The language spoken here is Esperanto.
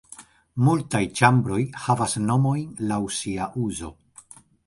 Multaj ĉambroj havas nomojn laŭ siaj uzo.